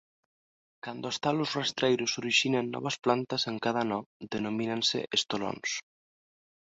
Cando os talos rastreiros orixinan novas plantas en cada nó denomínanse estolóns.